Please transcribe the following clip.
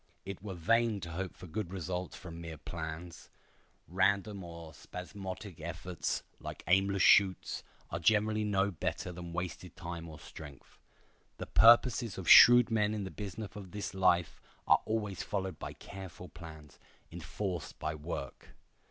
It were vain to hope for good results from mere plans. Random or spasmodic efforts, like aimless shoots, are generally no better than wasted time or strength. The purposes of shrewd men in the business of this life are always followed by careful plans, enforced by work.